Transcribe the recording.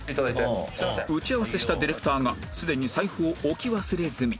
打ち合わせしたディレクターがすでに財布を置き忘れ済み。